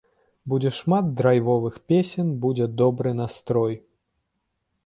Будзе шмат драйвовых песень, будзе добры настрой!